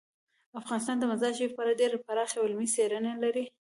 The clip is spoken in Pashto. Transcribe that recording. افغانستان د مزارشریف په اړه ډیرې پراخې او علمي څېړنې لري.